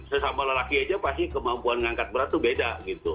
sesama lelaki aja pasti kemampuan ngangkat berat itu beda gitu